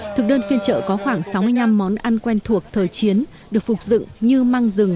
thực đơn phiên trợ có khoảng sáu mươi năm món ăn quen thuộc thời chiến được phục dựng như măng rừng